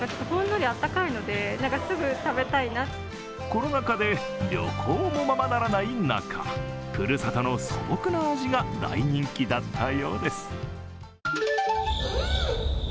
コロナ禍で旅行もままならない中ふるさとの素朴な味が大人気だったようです。